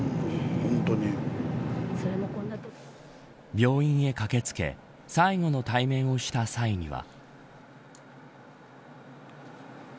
病院へ駆け付け最後の対面をした際には。